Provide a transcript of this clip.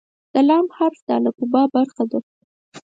د "ل" حرف د الفبا برخه ده.